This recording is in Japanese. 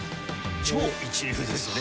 超一流ですよね。